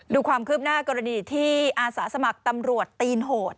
ดูความคืบหน้ากรณีที่อาสาสมัครตำรวจตีนโหด